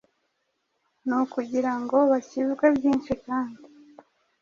ni ukugira ngo bakizwe byinshi kandi